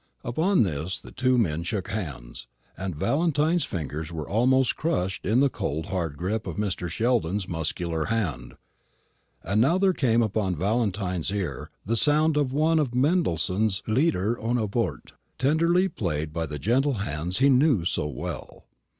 Upon this the two men shook hands, and Valentine's fingers were almost crushed in the cold hard grip of Mr. Sheldon's muscular hand. And now there came upon Valentine's ear the sound of one of Mendelssohn's Lieder ohne Worte, tenderly played by the gentle hands he knew so well.